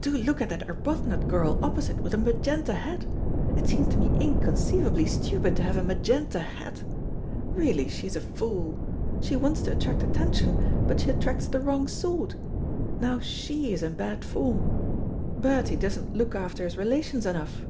do look at that Arbuthnot girl opposite with a magenta hat. It seems to me inconceivably stupid to have a magenta hat. Really she is a fool. She wants to attract attention, but she attracts the wrong sort. Now she is in bad form. Bertie doesn't look after his relations enough."